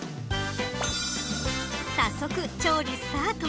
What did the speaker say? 早速、調理スタート。